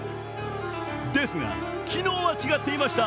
ですが、昨日は違っていました。